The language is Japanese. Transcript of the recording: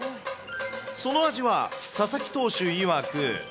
その味は、佐々木投手いわく。